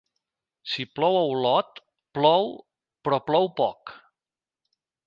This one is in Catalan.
Si plou a Olot, plou però plou poc.